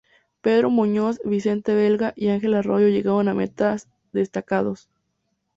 Pedro Muñoz, Vicente Belda y Ángel Arroyo llegaron a meta destacados.